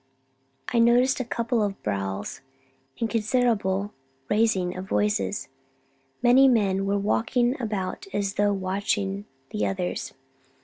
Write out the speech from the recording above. I noticed a couple of brawls, and considerable raising of voices; many men were walking about as though watching the others.